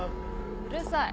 うるさい。